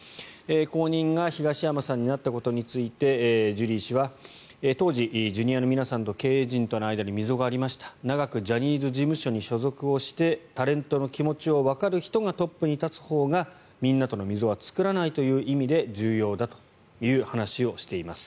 後任が東山さんになったことについてジュリー氏は当時、Ｊｒ．の皆さんと経営陣との間に溝がありました長くジャニーズ事務所に所属をしてタレントの気持ちをわかる人がトップに立つほうがみんなとの溝は作らないという意味で重要だという話をしています。